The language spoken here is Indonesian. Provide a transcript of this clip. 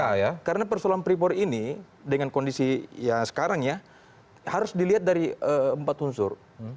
ya karena persoalan pripor ini dengan kondisi ya sekarang ya harus dilihat dari empat unsur